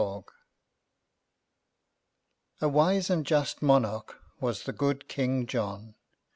Gask A wise and just monarch was the good King John.